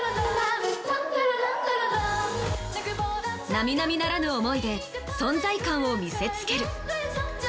並々ならぬ思いで存在感を見せつける。